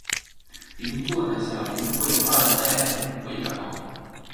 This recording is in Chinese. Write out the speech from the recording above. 银座的小林会二代目会长。